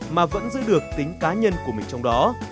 mà vẫn giữ được tính cá nhân của mình trong đó